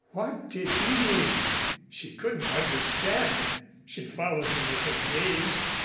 What did he mean? She couldn't understand. She followed him with her gaze.